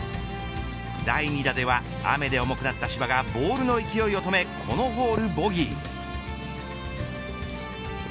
第２打では、雨で重くなった芝がボールの勢いを止めこのホールをボギー。